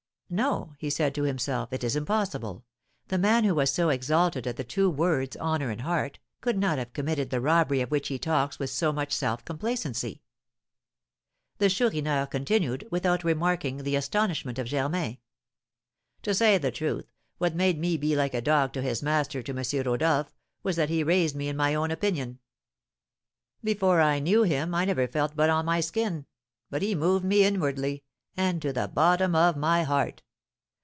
"No," he said to himself, "it is impossible; the man who was so exalted at the two words honour and heart cannot have committed the robbery of which he talks with so much self complacency." The Chourineur continued, without remarking the astonishment of Germain: "To say the truth, what made me be like a dog to his master to M. Rodolph was that he raised me in my own opinion. Before I knew him I never felt but on my skin, but he moved me inwardly, and to the bottom of my heart.